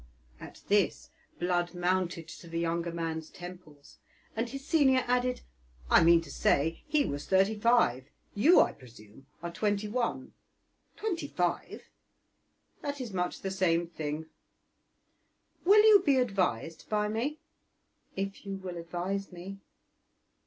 At this blood mounted to the younger man's temples, and his senior added, "I mean to say he was thirty five; you, I presume, are twenty one!" "Twenty five." "That is much the same thing; will you be advised by me?" "If you will advise me."